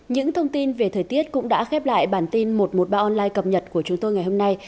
những thông tin về thời tiết cũng đã khép lại bản tin một trăm một mươi ba online cập nhật của chúng tôi ngày hôm nay